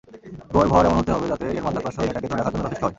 গ্রহের ভর এমন হতে হবে যাতে এর মাধ্যাকর্ষণ এটাকে ধরে রাখার জন্য যথেষ্ট হয়।